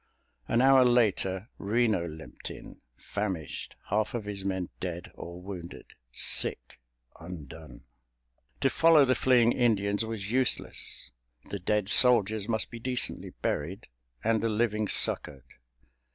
An hour later Reno limped in, famished, half of his men dead or wounded, sick, undone. To follow the fleeing Indians was useless—the dead soldiers must be decently buried, and the living succored.